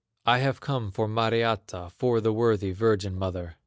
"I have come for Mariatta, For the worthy virgin mother."